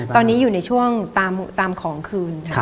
ตอนนี้อยู่ในช่วงตามของคืน